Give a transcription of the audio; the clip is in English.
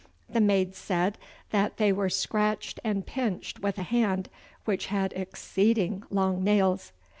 The maids said that they were scratched and pinched with a hand which had exceeding long nails.